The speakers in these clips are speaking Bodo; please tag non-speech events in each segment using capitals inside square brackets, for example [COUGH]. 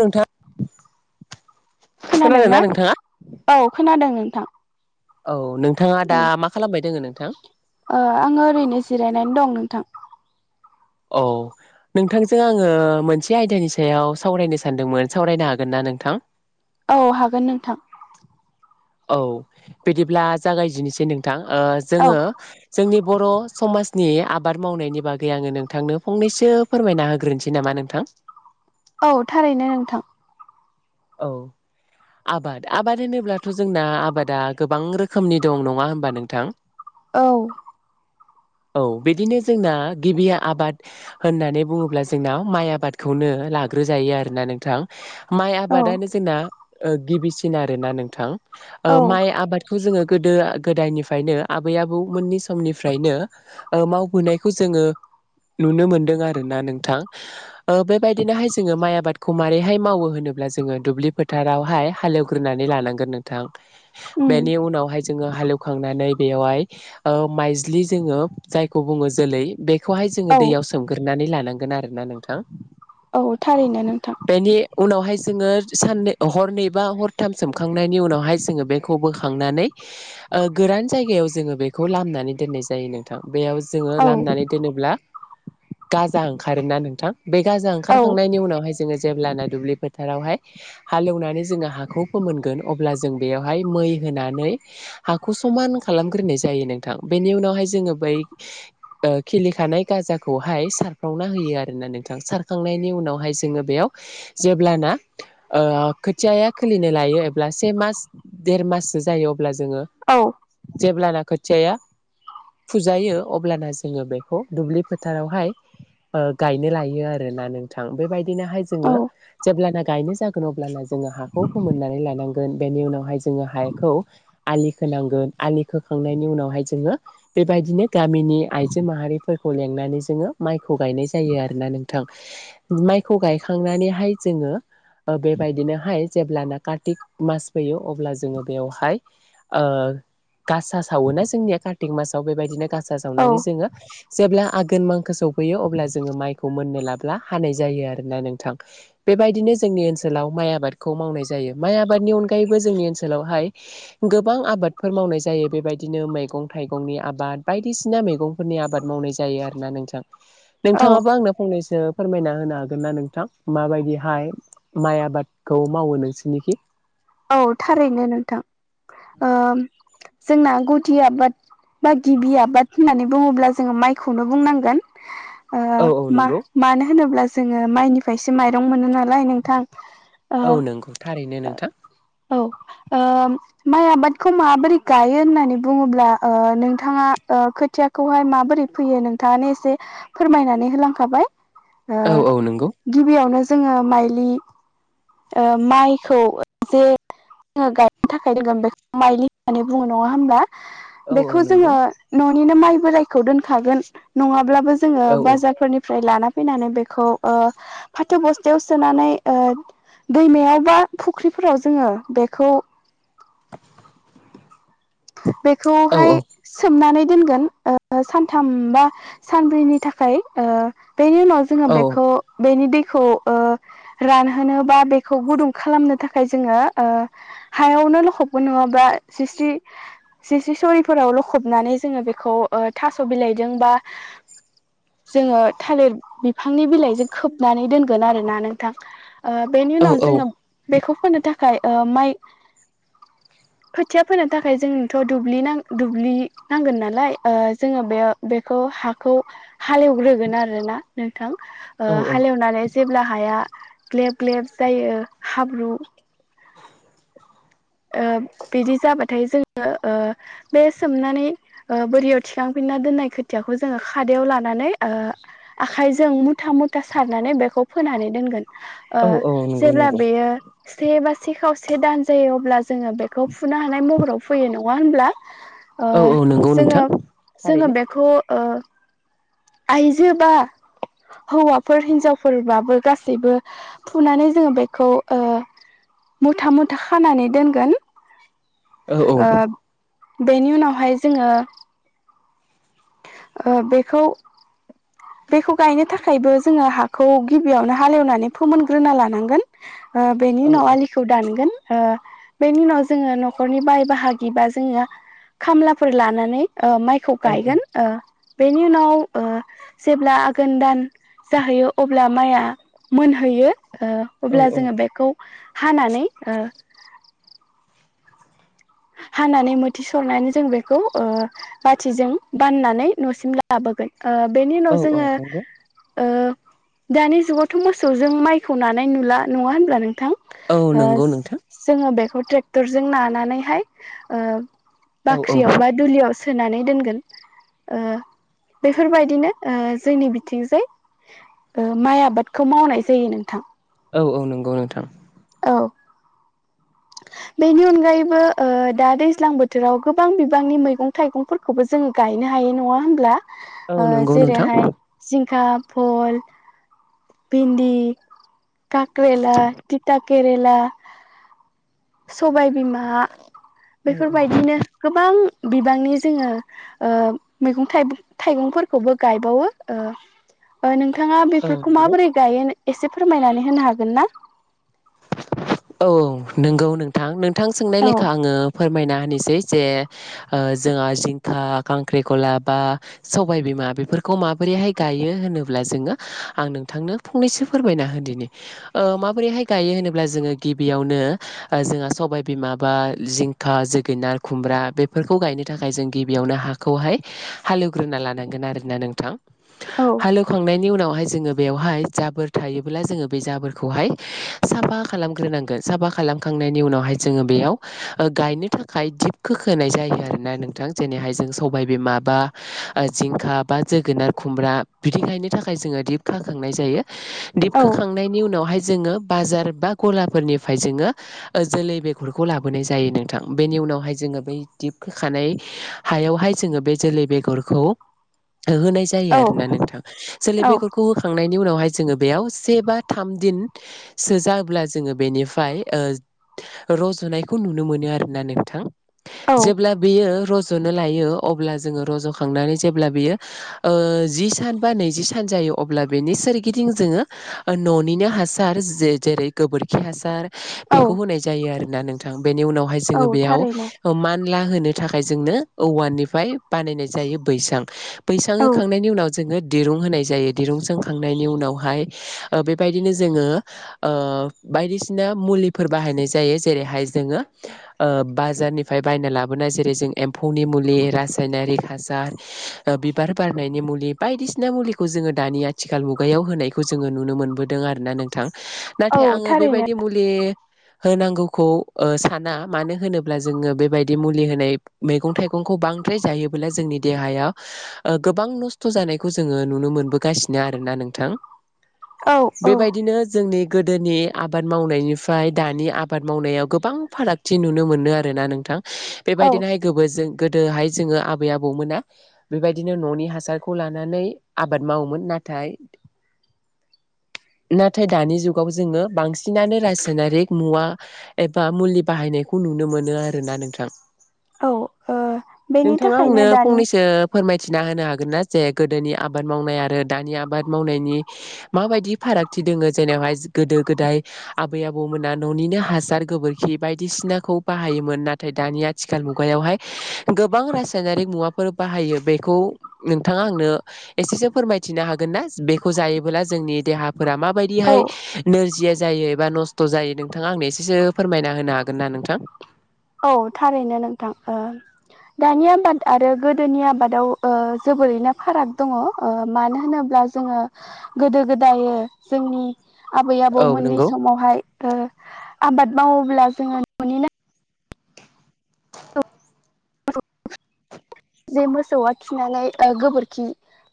नोंथां खोनादोंना औ खोनादों। [UNINTELLIGIBLE] औ नोंथाङा औ दा मा खालामबाय दोङो नोंथां। ओ आङो ओरैनो जिरायनानै दं नोंथां। औ। नोंथांजों आङो मोनसे आयदानि सायाव सावरायनो सानदोंमोन सावरायनो हागोन ना नोंथां। औ हागोन नोंथां। औ बिदिब्ला जागायजेननोसै नोंथां ओ औ जोङो जोंनि बर' समाजनि आबाद मावनायनि बागै आङो नोंथांनो फंनैसो फोरमायना होग्रोनोसै नामा नोंथां। [INAUDIBLE] औ थारैनो नोंथां औ आबाद आबाद होनोब्लाथ' जोंना आबादा गोबां रोखोमनि दं नङा होमबा नोंथां? औ। [INAUDIBLE] औ बिदिनो जोंना गिबिया आबाद होननानै बुङोब्ला जोंनाव माइ आबादखौनो ला लाग्रोजायो आरोना नोंथां, माइ औ आबादनो जोंना ओ गिबिसिन आरोना नोंथां औ माइ आबादखौ जोङो गोदो गोदायनिफ्रायनो आबै आबौमोननि समनिफ्रायनो ओ मावबोनायखौ जोङो नुनो मोनदों आरोना नोंथां ओ बेबायदिनोहाय जोङो माइ आबादखौ मारैहाय मावो होनोब्लाों जों जोङो दुब्लि फोथारावहाय हालेवग्रोनानै लानांगोन नोंथां, उम बेनि उनावहाय जों ज हालखनानै बेयावहाय ओ माइज्लि जोङो जायखौ बुङो जोलै बे बेखौहाय औ जोङो दैयाव सोमग्रोनानै लानांगोन आरो ना नोंथां। औ थारैनो नोंथां । ओ सानै हरनैबा हरथाम सोमखांनायनि उनावहाय जोङो बेखौ बोखांनानै ओ गोरान जायगायाव जोङो बेखौ लामनानै दोननाय जायो नोंथां। बेयाव जोङो औ लामनानै दोनोब्ला गाजा ओंखारोना नोंथां बे गाजा औ ओंखारखांनायनि उनावहाय जोङो जेलाना दुब्लिफोर बावहाय हालेवनानैन जों हागौ फोमोनगोन अब्ला जों बेवहाय मै होनानै हा हाखौ समान खालामग्रोनाय जायो नोंथां बेनि उनावहाय जोङो बै ओ खिलिखानाय गाजा खौहाय सारफावना होयोआरोना नोंथाङ, सारखांनानायनि उनावहाय जों बेयाव जे अब्लाना ओ खोथियाया खिलिनो लायो एब्ला सेमास देरमास सो जायो अब्ला जोङो जेब्लाना खोथियाया फुजायो अब्लाना जोङो बेखौ दुब्लि फोथारावहाय ओ गायनो लायो आरोना नोंथां, बेबायदिनोहाय जोङो औ जेब्लाना गायनाय जागोन अब्लाना जों जोङो हाखौ फोमोननानै लानांगोन बेनि उनावहाय जोङो हाखौ आलि खोनांगोन आलि खोखांनायनि उनावहाय जोङो बेबायदिनो गामिनि आइजो माहारि फोर खौ लेंनानै जोङो माइखौ गायनाय जायो आरोना नोंथां, माइखौ गायखांनानैहाय जोङो ओ बेबायदिनोहाय जेब्लाना कार्तिक मास फैयो अब्ला जोङो बेयावहाय ओ गासा सावोना जोंनिया कार्तिक मास आव बेबायदिनो गासा औ जावनानै जोङो जेब्ला आघोन मांखो सफैयो अब्ला जोङो माइखौ मोननो लाब्ला हानाय जायो आरोना नोंथां। बेबायदिनो जोंनि ओनसोलाव माइ आबादखौ मावनाय जायो, माइ आबादनि अनगायैबो जोंनि ओनसोलावहाय गोबां आबादफोर मावनाय जायो बेबायदिनो मैगं थाइगंनि आबाद बायदिसिना मैगंफोरनि आबाद मावनाय जायो जायो आरोना नोंथां, औ नोंथांङाबो आंनो फंनैसो फोरमायना होनो हागोन ना नोंथां? मा बायदि [UNINTELLIGIBLE] माइ आबादखौ मावो नोंसोरनिखि? औ थारैनो नोंथां ओ जोंना ओ गुदि आबाद बा गिबि आबाद होननानै बुङोब्ला जोङो माइखौनो बुंनांगोन। ओ औ औ मा मा नंगौ मानो होनोब्ला जोङो माइनिफ्रायसो माइरं मोनो नालाय नोंथां? ओ औ नंगौ। थारैनो नोंथां औ ओ माइ आबादखौ माबोरै गायो होननानै बुङोब्ला ओ नोंथाङा ओ खोथियाखौहाय माबोरै फैयो नोंथाङानो एसे फोरमायनानै होलांखाबाय ओ औ औ नंगौ गिबियावनो जोङो माइलि ओ माइखौ जे जोङो गायनो थाखाय दङ बेखौ माइलि होननानै बुङो नङा होनब्ला? औ औ बेखौ नंगौ जोङो न'निनो माइ बोरायखौ दोनखागोन नङा ब्लाबो जों औ औ बाजारफोरनि फ्राय लाना फैनानै बेखौ ओ फाथो बस्थायाव सोनानै ओ दैमायाव बा फुख्रिफोराव जोङो बेखौ बेखौ औ हाय सोमनानै दोनगोन ओ सानथाम बा सानब्रैनि थाखाय ओ बेनि उनाव जोङो औ बेखौ बेनि दैखौ ओ रानहोनो बा बेखौ गुदुं खालामनो थाखाय जोङो ओ हायावनो लखबबो नङा बा बा स्रिसि [INAUDIBLE] जि सि सरिफोराव लखबनानै जोङो बेखौ ओ थास' बिलाइदों बा जोङो थालिर बिफांनि बिलाइजों खोबनानै दोनगोन आरोना नोंथां। ओ बेनि उनाव जोङो बेखौ फोननो थाखा खाय ओ माइ खोथिया फोनो थाखाय जोंनोथ' दुब्लि नां दुब्लि नांगोन नालाय ओ जोङो बे बेखौ हाखौ हालेवग्रोगोन आरोना नोंथां ओ औ हालेवनानै जेब्ला हाया ग्लेब ग्लेब जायो हाब्रु ओ बिदि जाबा थाय जोङो ओ बे सोमनानै ओ बोरियाव थिखांफिनना दोननाय खोथियाखौ जोङो खाद दायाव लानानै आखाइजों मुथा मुथा सारनानै बेखौ फोनानै दोनगोन। ओ औ औ नंगौ जेब्ला नंगौ बेयो से बा से खावसे दान जायो अब्ला जोङो बेखौ फुनो हानाय महराव फैयो नङा होनब्ला? ओ औ औ नंगौ जोङो नोंथां जोङो थारैनो बेखौ ओ आइजो बा हौवाफोर हिनजावफोरबाबो गासैबो फुनानै जोङो बेखौ ओ मुथा मुथा खानानै दोनगोन। औ औ ओ बेनि उनावहाय जोङो ओ बेखौ बेखौ गायनो थाखायबो जोङो हाखौ गिबियावनो हालेवनानै फोमोनग्रोना लानांगोन। ओ बेनि औ उनाव आलिखौ दानगोन। ओ बेनि उनाव जोङो न'खरनि बाय बाहागिबा जोङो खामलाफोर लानानै ओ माइखौ गायगोन ओ बेनि उनाव ओ जेब्ला आघोन दान जाहैयो अब्ला माइया मोनहैयो। ओ औ अब्ला जोङो बेखौ हानानै ओ हानानै मोथि सरनानै जों बेखौ ओ बाथिजों बाननानै न'सिम लाबोगोन। ओ बेनि औ उनाव औ जोङो नंगौ ओ दानि जुगावथ' मोसौजों माइखौ नानाय नुला नङा होनब्ला नोंथां? ओ औ नंगौ नोंथां जोङो बेखौ ट्रेक्टरजों नानानैहाय ओ औ औ बाख्रियाव बा दुलियाव सोनानै दोनगोन ओ बेफोरबायदिनो ओ जोंनि बिथिंजाय ओ माइ आबादखौ मावनाय जायो नोंथां। औ औ नंगौ नोंथां। औ [INAUDIBLE] बेनि अनगायैबो ओ दा दैज्लां बोथोराव गोबां बिबांनि मैगं थाइगंफोरखौबो जोङो गायनो हायो नङा होनब्ला औ ओ नंगौ नोंथां जेरै'हाय जिंखा, फल भिन्दि, कक्रेला टिथा केरला सबायबिमा औ बेफोरबायदिनो गोबां बिबांनि जोङो ओ मैगं थाइबं थाइगंफोरखौबो गायबावो ओ नोंथाङा औ औ बेफोरखौ नंगौ माबोरै गायो? एसे फोरमायनानै होनो हागोन ना औ नंगौ नोंथां नोंथां सोंनाय औ लेखा आङो फोरमायना होनिसै जे जोंहा जिंखा खांख्रिखला बा सबाय बि बेफोरखौ माबोरैहाय गायो होनोब्ला जोङो आं नोंथांनो फंनैसो फोरमायना होदिनि माबोरैहाय गायो होनोब्ला जोङो गिबियावनो जोंहा सबायबिमाबा जिंखा जोगोनार खुमब्रा बेफोरखौ गायनो थाखाय जों गिबियावनो हाखौहाय हालेवग्रोना लानांगोन आरोना नोंथां औ हालेवखांनायनि उनावहाय जोङो बेयावहाय जाबोर थायोब्ला जोङो बे जाबोरखौहाय साफा खालामखाना साफा खालामखांनायनि उनावहाय जोङो बेयाव गायनो थाखाय थिप खोखोनाय जायो आरो नोंथां जेरैहाय जों सबायबिमा बा जिंखा बा जोगोनार खुमब्रा बिदि गायनो दिप खोखांनाय जायो दिप औ खोखांनायनि उनावहाय जोंङो बाजार बा गलाफोरनिफ्राय जोङो जोलै बेगरखौ लाबोनाय जायो नोंथां बेनि उनावहाय जोंङो बै दिप होखानाय हायावहाय जोङो बे जोलै बेगरखौ होनाय जायो औ आरोना नोंथां जोलै औ बेगरखौ होखांनायनि नि उनावहाय जोङो बेयाव से बा थाम दिन सो जाबोब्ला जोङो बेनिफ्राय रज'नायखौ नुनो मोनो आरोना नोंथां औ जेब्ला बेयो रज'यो रज'नो लायो अब्ला जोङो रज' खांनानै जेब्ला बियो जि सान बा नैजि सान जायो अब्ला बेनि सोरगिदिं जोङो न'निनो हासार जेरै गोबोरखि हासार औ बेखौ होनाय जायो आरोना नोंथां बेनि उनावहाय औ जोङो बेयाव थारैनो ला होनो थाखाय जोंनो औवाननिफ्राय बानायनाय जायो बैसां बैसां औ होखांनायनि उनाव जोंङो दिरुं होनाय जायो दिरुं सोंखांनायनि उनावहाय बेबायदिनो जोङो बायदिसिना मुलिफोर बाहायनाय जायो जेरैहाय जोङो बाजारनिफ्राय बायना लाबोनाय जरै एम्फौनि मुलि रासायनारि हासार बिबार बारनायनि मुलि बायदिसिना बायदिसिना मुलिखौ जोङो दानि आथिखाल मुगायाव होनायखौ जोङो नुनो मोनबोदों आर ना नोंथां औ नाथाय आङो थारैनो बेबायदि मुलि होनांगौ खौ साना मानो होनोब्ला जोङो बेबायदि मुलि होनाय मैगं थाइगंखौ बांद्राय जायोब्ला जोंनि देहायाव गोबां नस्थ' जानायखौ जोङो नुनो मोनबोगासिनो आरोना नोंथां औ औ बेबायदिनो जोंनि गोदोनि आबाद मावनायनिफ्राय दानि आबाद मावनायाव गोबां फारागथि नुनो मोनो आरोना नोंथां औ बेबायदिनोहाय गोबो जों गोदोहाय जोङो आबै आबौमोना बेबायदिनो न'नि हासारखौ लानानै आबाद मावोमोन नाथाय थाय नाथाय दानि जुग जुगाव जोङो बांसिनानो रासायनारिक मुवा एबा मुलि बाहायनायखौ नुनो मोनो आरोना नोंथां ओ [INAUDIBLE] बेनि नोंथाङा थाखायनो आंनो दानि फंनैसो फोरमायथिना होनो हागोन ना जे गोदोनि आबाद मावनाय आरो दानि आबाद मावनायनि माबायदि फारागथि दङो जेनावहाय गोदो गोदाय आबै आबौमोना न'निनो हासार गोबोरखि बायदिसिनाखौ बाहायोमोन नाथाय दानि आथिखाल मुगायावहाय गोबां रासायनारिक मुवाफोर बाहायो बेखौ नोंथाङा आनो एसेसो फोरमायथिनो हागोन ना बेखौ जायोबोला जोंनि देहाफोरा औ माबायदिहाय नोरजिया जायो एबा नस्थ' जायो नोंथाङा आंनो एसेसो फोरमायना होनो हागोन ना नोंथां औ थारैनो नोंथां दानि आबाद आरो गोदोनि आबादाव ओ जोबोरैनो फाराग दङ' ओ मानो होनोब्ला दा जोङो गोदो गोदायो जोंनि आबै औ आबौमोननि नंगौ समावहाय ओ आबाद मावोब्ला जोङो न'निनो जे मोसौआ खिनानै ओ गोबोरखि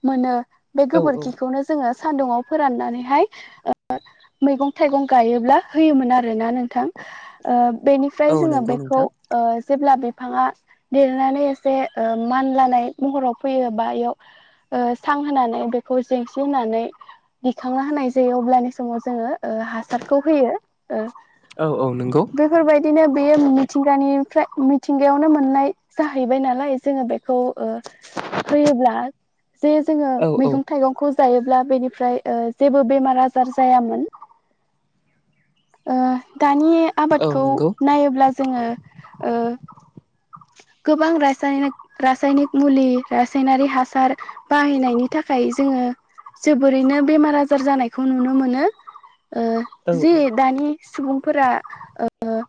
मोनो बे औ औ गोबोरखिखौनो जोंङो सान्दुुङाव फोराननानैहाय [UNINTELLIGIBLE] मैगं थाइगं गायोब्ला होयोमोन आरो ना नोंथां ओ औ बेनिफ्राय जोङो नंगौ नोंथां। बेखौ ओ जेब्ला बिफाङा देरनानै एसे ओ मानलानाय महराव फैयो बा एयाव ओ सां होनानै बेखौ जेंसि होनानै दिखांना होनाय जायो अब्लानि समाव जोङो ओ हासारखौ होयो। ओ औ औ। नंगौ बेफोरबायदिनो बेयो मिथिंगानिफ्राय मिथिंगायावनो मोननाय जाहैबाय नालाय जोङो बेखौ ओ होयोब्ला जे जोङो औ औ मैगं थाइगंखौ जायोब्ला बेनिफ्राय ओ जेबो बेमार आजार जायामोन। ओ दानि औ आबादखौ नंगौ नायोब्ला जोङो ओ गोबां रासायनिक, रासायनिक मुलि रासायनारि हासार बाहायनायनि थाखाय जोङो जोबोरैनो बेमार आजार जानायखौ नुनो मोनो। ओ औ जि दानि सुबुंफोरा ओ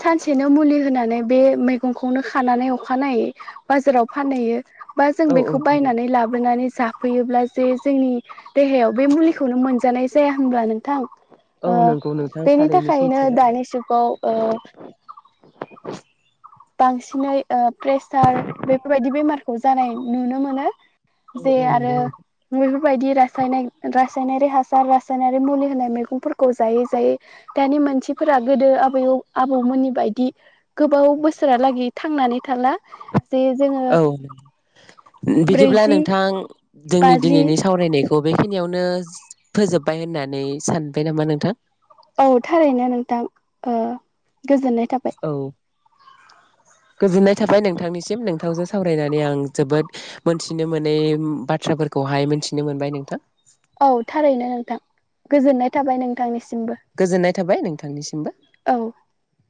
सानसेनो मुलि होनानै बे मैगंखौनो खानानै अखानायै बाजाराव फानहैयो। बा जों औ औ बेखौ नंगौ बायनानै लाबोनानै जाफैयोब्ला जे जोंनि देहायाव बे मुलिखौनो मोनजानाय जाया होमब्ला नों थां। औ ओ नंगौ नोंथां बेनि थारैनो थाखायनो सैथो औ दानि जुगाव अ बांसिनै ओ प्रेसार बेफोरबायदि बेमारखौ जानाय नुनो मोनो। जे औ आरो नंगौ नोंथां मुलि बादि रासायनिक, रासायनारि हासार रासायनारि मुलि होनाय मैगंफोरखौ जायै जायै दानि मानसिफोरा गोदो आबै आबौमोननि बायदि गोबाव बो सोरहालागि थांनानै थाला। जे जोङो औ बिदिब्ला ब्रैजि नोंथां जोंनि बाजि दिनैनि सावरायनाय खौ बे खिनियावनो फोजोबबाय होननानै सानबाय नामा नोंथां। औ थारैनो नोंथां। ओ गोजोननाय थाबाय। [UNINTELLIGIBLE] गोजोननाय थाबाय नोंथांनिसिम। नोंथांजों सावरायनानै आं जोबोद मोनथिनो मोनै बा थ्राफोरखौहाय मिनथिनो मोनबाय नोंथां। औ थारैनो नोंथां गोजोननाय थाबाय नोंथांनि गोजोननाय थाबाय नोंथांनिसिमबो। औ।